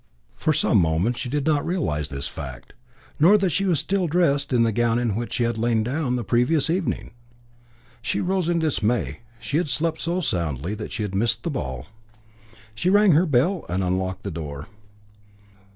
For some moments she did not realise this fact, nor that she was still dressed in the gown in which she had lain down the previous evening. She rose in dismay. She had slept so soundly that she had missed the ball. She rang her bell and unlocked the door.